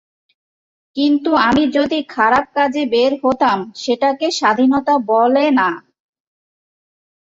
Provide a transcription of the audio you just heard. কিন্তু আমি যদি খারাপ কাজে বের হতাম, সেটাকে স্বাধীনতা বলে না।